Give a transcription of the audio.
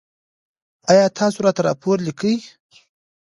ایا تاسو راته راپور لیکئ؟